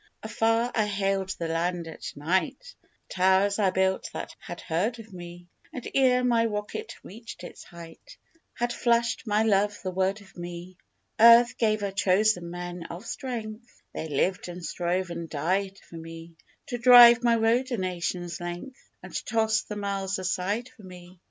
Afar, I hailed the land at night The towers I built had heard of me And, ere my rocket reached its height, Had flashed my Love the word of me. Earth gave her chosen men of strength (They lived and strove and died for me) To drive my road a nation's length, And toss the miles aside for me.